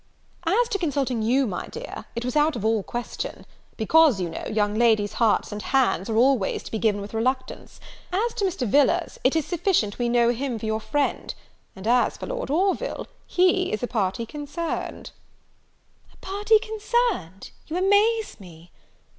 "As to consulting you, my dear, it was out of all question; because, you know, young ladies' hearts and hands are always to be given with reluctance; as to Mr. Villars, it is sufficient we know him for your friend; and as for Lord Orville, he is a party concerned." "A party concerned! you amaze me!"